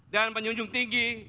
dan penyunjung tinggi